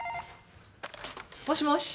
もしもし。